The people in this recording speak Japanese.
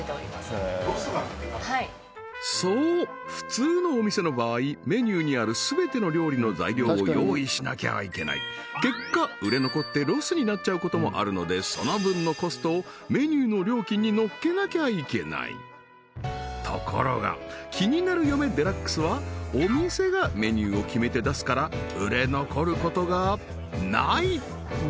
はいそう普通のお店の場合メニューにある全ての料理の材料を用意しなきゃいけない結果売れ残ってロスになっちゃうこともあるのでその分のコストをメニューの料金にのっけなきゃいけないところがきになる嫁デラックスはお店がメニューを決めて出すから売れ残ることがない！